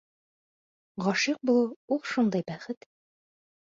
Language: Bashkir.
Ғашиҡ булыу ул шундай бәхет!